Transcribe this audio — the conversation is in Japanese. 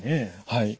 はい。